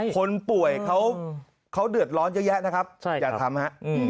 คนป่วยเขาเดือดร้อนเยอะแยะนะครับอย่าทำฮะ